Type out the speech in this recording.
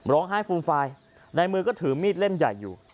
ร้องไห้ฟูมฟายในมือก็ถือมีดเล่มใหญ่อยู่